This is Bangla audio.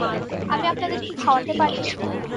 আমি আপনাদের কি খাওয়াতে পারি?